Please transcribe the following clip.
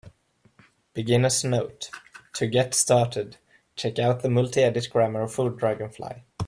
Beginner's note: to get started, check out the multiedit grammar for dragonfly.